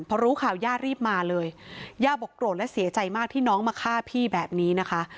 พอรู้ข่าวย่ารีบมาเลยย่าบอกโกรธและเสียใจมากที่น้องมาฆ่าพี่แบบนี้นะคะ